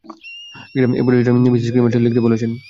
এই পরিশিষ্টটা Mrs Krementz লিখতে বলেছেন।